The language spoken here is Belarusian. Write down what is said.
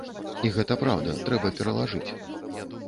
І гэта праўда, трэба пералажыць.